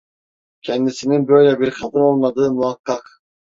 Kendisinin böyle bir kadın olmadığı muhakkak…